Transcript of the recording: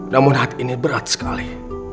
namun hati ini berat sekali